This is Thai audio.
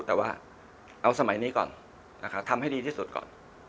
แต่ว่าเอาสมัยนี้ก่อนนะครับทำให้ดีที่สุดก่อน